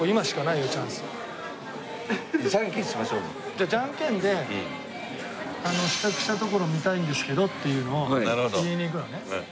じゃあじゃんけんで「試着したところを見たいんですけど」っていうのを言いに行くのね。